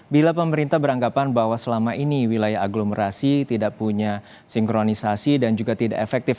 bila pemerintah beranggapan bahwa selama ini wilayah aglomerasi tidak punya sinkronisasi dan juga tidak efektif